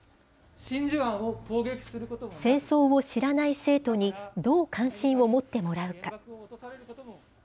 戦争を知らない生徒に、どう関心を持ってもらうか。